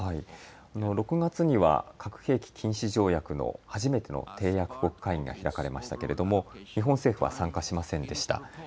６月には、核兵器禁止条約の初めての締約国会議が開かれましたけれども日本政府は参加しませんでした。